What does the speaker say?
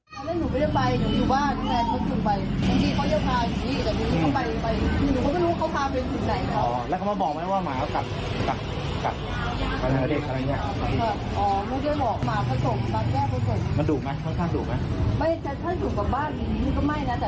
กลับบ้านนี่ก็ไม่นะแต่ถ้ามีคนแต่งหน้าไปขึ้นมาก็